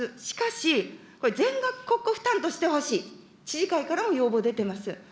しかしこれ、全額国庫負担としてほしい、知事会からも要望出てます。